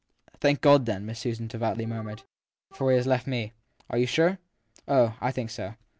Thank God, then ! Miss Susan devoutly murmured. { For he has left me. 1 Are you sure ? 1 Oh, I think so.